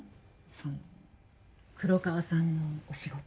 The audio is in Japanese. その黒川さんのお仕事